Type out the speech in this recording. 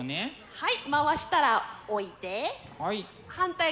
はい。